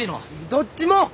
どっちも。